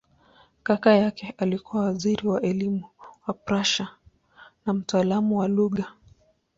Kaka yake alikuwa waziri wa elimu wa Prussia na mtaalamu wa lugha.